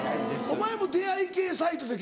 お前も出会い系サイトで。